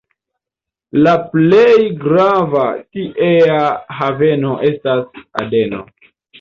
La plej grava tiea haveno estas Adeno.